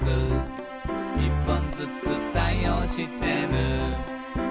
「１本ずつ対応してる」